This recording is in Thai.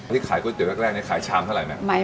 นี่ขายก๋วยเตี๋แรกนี้ขายชามเท่าไหร่ไหม